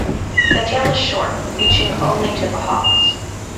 The tail is short, reaching only to the hocks.